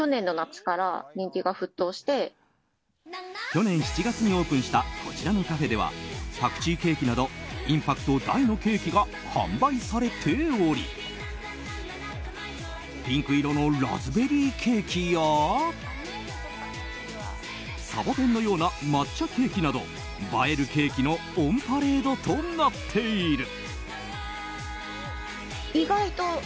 去年７月にオープンしたこちらのカフェではパクチーケーキなどインパクト大のケーキが販売されておりピンク色のラズベリーケーキやサボテンのような抹茶ケーキなど映えるケーキのオンパレードとなっている。